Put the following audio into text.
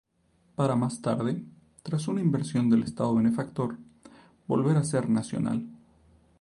Para más tarde, tras una inversión del estado benefactor, volver a ser nacional.